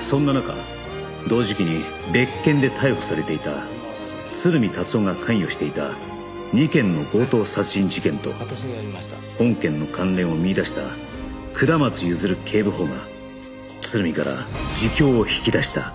そんな中同時期に別件で逮捕されていた鶴見達男が関与していた２件の強盗殺人事件と本件の関連を見いだした下松譲警部補が鶴見から自供を引き出した